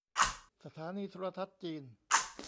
สถานีโทรทัศน์จีน